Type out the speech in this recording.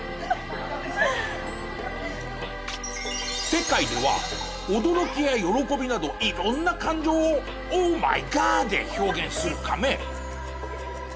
世界では驚きや喜びなど色んな感情を「オーマイガー！」で表現するカメ。